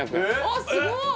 あすごい！